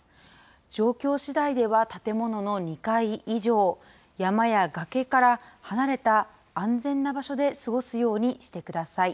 状況次第では、建物の２階以上、山や崖から離れた安全な場所で過ごすようにしてください。